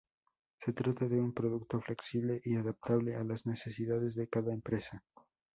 Se trata de un producto flexible y adaptable a las necesidades de cada empresa.